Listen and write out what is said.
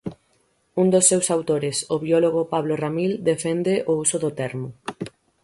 Un dos seus autores, o biólogo Pablo Ramil, defende o uso do termo.